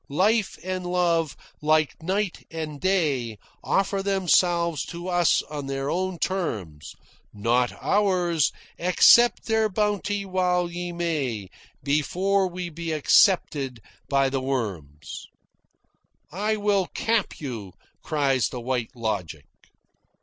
Life and Love like night and day Offer themselves to us on their own terms, Not ours. Accept their bounty while ye may, Before we be accepted by the worms," "I will cap you," cries the White Logic.